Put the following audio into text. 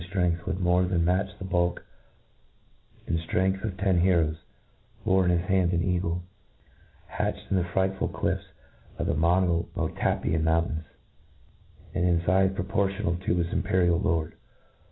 ftrength would more then match the bulk and ftrength'of ten heroes, bore in his hand an eagle^ hatched in the frightful cliftis of the Monomotapir an mountains, and in fizc proportionable to his imperial lord.